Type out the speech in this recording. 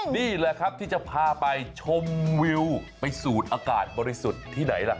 นี่แหละครับที่จะพาไปชมวิวไปสูดอากาศบริสุทธิ์ที่ไหนล่ะ